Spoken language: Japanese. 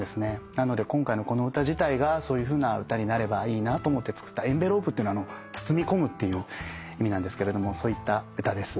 なので今回のこの歌自体がそういうふうな歌になればいいなと思って作った「ｅｎｖｅｌｏｐｅ」って「包み込む」っていう意味なんですけれどもそういった歌です。